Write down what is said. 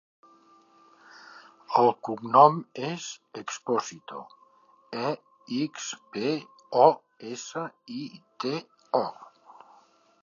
El cognom és Exposito: e, ics, pe, o, essa, i, te, o.